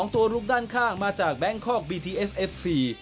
ตัวลุกด้านข้างมาจากแบงคอกบีทีเอสเอฟซี